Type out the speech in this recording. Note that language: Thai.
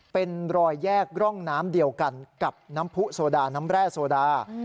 เป็นรอยแยกร่องน้ำเดียวกันกับน้ำผู้โซดาน้ำแร่โซดา